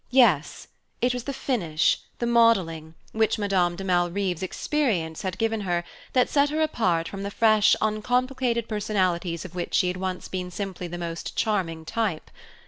Yes, it was the finish, the modelling, which Madame de Malrive's experience had given her that set her apart from the fresh uncomplicated personalities of which she had once been simply the most charming type.